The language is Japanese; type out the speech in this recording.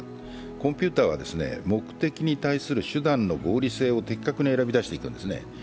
コンピュータも手段の合理性を的確に選び出していくんですね。